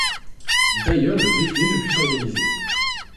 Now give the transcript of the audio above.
D'ailleurs, le défilé ne put s'organiser.